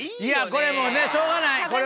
これもうねしょうがない。